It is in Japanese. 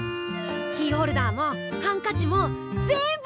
キーホルダーもハンカチもぜんぶ